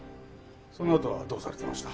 そのあとはどうされてました？